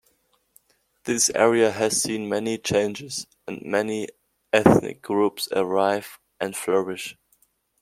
This area has seen many changes and many ethnic groups arrive and flourish.